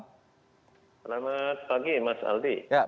selamat pagi mas aldi